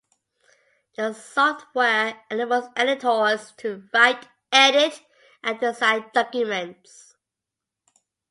The software enables editors to write, edit, and design documents.